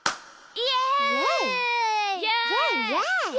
イエイ！